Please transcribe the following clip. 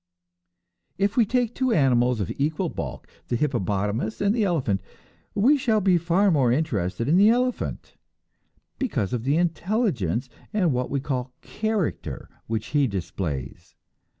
If we take two animals of equal bulk, the hippopotamus and the elephant, we shall be far more interested in the elephant, because of the intelligence and what we call "character" which he displays.